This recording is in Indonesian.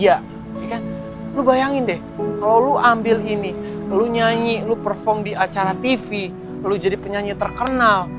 iya lu bayangin deh lo lo ambil ini lu nyanyi lu perform di acara tv lo jadi penyanyi terkenal